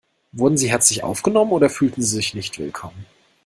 Wurden Sie herzlich aufgenommen oder fühlten Sie sich nicht willkommen?